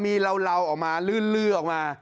มีเลาออกมาลื้อออกมา